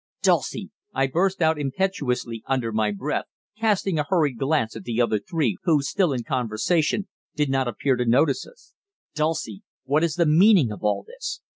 "Dulcie," I burst out impetuously under my breath, casting a hurried glance at the other three, who, still in conversation, did not appear to notice us. "Dulcie, what is the meaning of all this?